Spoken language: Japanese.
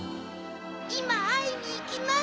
いまあいにいきます